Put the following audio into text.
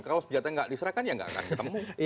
kalau senjata nggak diserahkan ya nggak akan ketemu